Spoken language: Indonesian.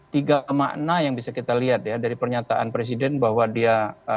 tiga makna yang bisa kita lihat ya dari pernyataan presiden bahwa dia